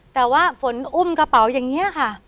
แต่ว่าฝนอุ้มกระเป๋าอย่างนี้ค่ะ